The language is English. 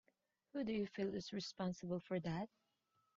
Who do you feel is responsible for that?